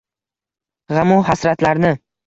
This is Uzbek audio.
G’amu hasratlarni